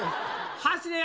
走れよ。